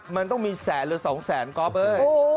มันต้องมีแสนหรือ๒แสนก๊อฟเอ้ย